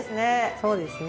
そうですね。